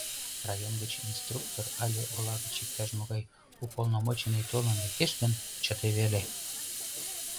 Район гыч инструктор але ола гыч иктаж-могай уполномоченный толын лектеш гын, чыте веле!